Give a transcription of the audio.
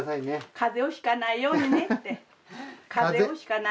風邪を引かないようにねって先生が。